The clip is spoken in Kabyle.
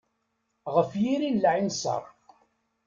Ɣef yiri n lɛinṣer.